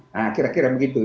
nah kira kira begitu